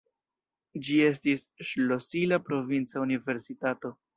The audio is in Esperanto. Ĝi estis ŝlosila provinca universitato.